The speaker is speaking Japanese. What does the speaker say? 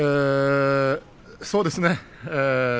そうですね。